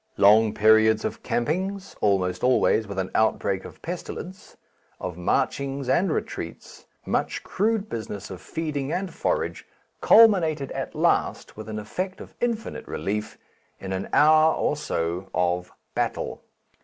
Long periods of campings almost always with an outbreak of pestilence of marchings and retreats, much crude business of feeding and forage, culminated at last, with an effect of infinite relief, in an hour or so of "battle."